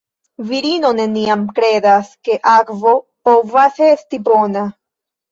Virino neniam kredas, ke akvo povas esti bona.